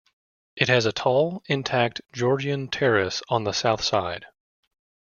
It has a tall, intact Georgian terrace on the south side.